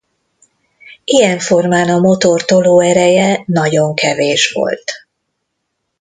Ilyen formán a motor tolóereje nagyon kevés volt.